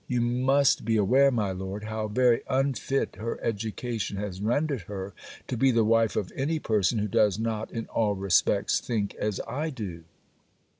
You must be aware, my Lord, how very unfit her education has rendered her to be the wife of any person who does not in all respects think as I do.